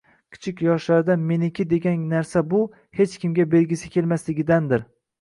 Kichik yoshlarida “meniki” degan narsa bu – hech kimga bergisi kelmaganidandir.